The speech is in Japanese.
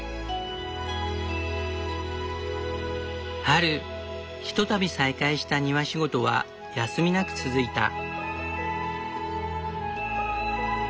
春ひとたび再開した庭仕事は休みなく続いた。